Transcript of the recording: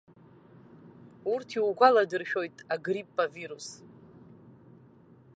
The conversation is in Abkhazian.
Урҭ иугәаладыршәоит агрипп авирус.